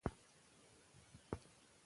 کله چې ښځو ته درناوی وشي، ټولنیز باور زیاتېږي.